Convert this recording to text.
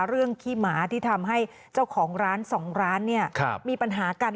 เรื่องขี้หมาที่ทำให้เจ้าของร้านสองร้านเนี่ยครับมีปัญหากัน